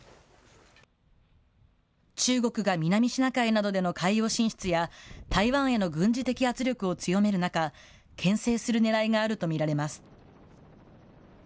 中国が南シナ海などでの海洋進出や、台湾への軍事的圧力を強める中、けん制するねらいがあると見られます。